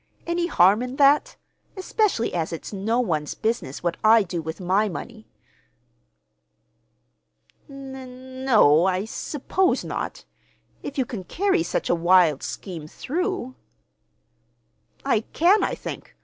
Any harm in that, especially as it's no one's business what I do with my money?" "N—no, I suppose not—if you can carry such a wild scheme through." "I can, I think.